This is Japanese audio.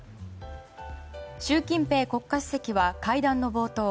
習近平国家主席は会談の冒頭